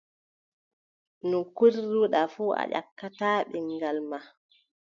No ngiɗruɗaa kusel fuu, a yakkataa ɗemngal maa.